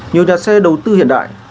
nhiều nhà xe đầu tư hiện đại